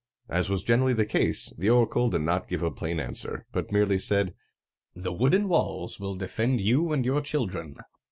As was generally the case, the oracle did not give a plain answer, but merely said, "The wooden walls will defend you and your children."